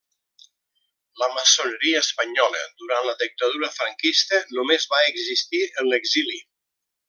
La maçoneria espanyola durant la dictadura franquista només va existir en l'exili.